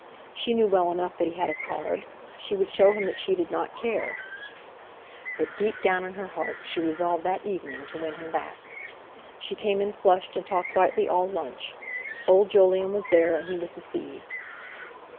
She knew well enough that he had a card. She would show him that she did not care. But deep down in her heart she resolved that evening to win him back. She came in flushed, and talked brightly all lunch; old Jolyon was there, and he was deceived.